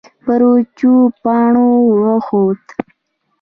پر وچو پاڼو وخوت.